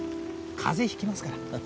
風邪引きますから。